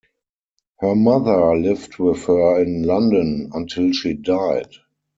Her mother lived with her in London until she died.